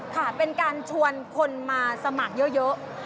ค่ะเป็นการชวนคนมาสมัครเยอะ